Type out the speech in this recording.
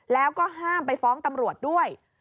แล้วก็ห้ามไปฟ้องตำรวจด้วย